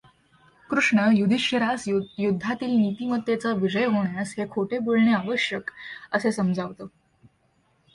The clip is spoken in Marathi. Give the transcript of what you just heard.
कृष्ण युधिष्ठिरास युध्दातील नीतिमत्तेचा विजय होण्यास हे खोटे बोलणे आवश्यक असे समजावतो.